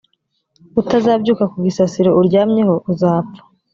utazabyuka ku gisasiro uryamyeho uzapfa.